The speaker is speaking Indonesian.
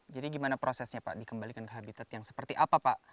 jadi gimana prosesnya pak dikembalikan ke habitat yang seperti apa pak